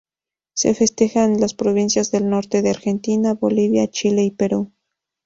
Se festeja en las provincias del norte de Argentina, Bolivia, Chile y Perú.